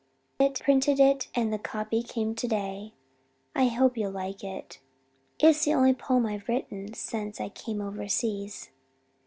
It printed it and the copy came today. I hope you'll like it. It's the only poem I've written since I came overseas."